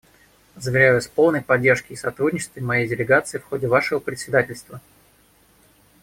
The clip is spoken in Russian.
Заверяю вас в полной поддержке и сотрудничестве моей делегации в ходе вашего председательства.